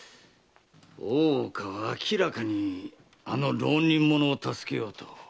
大岡は明らかにあの浪人者を助けようと。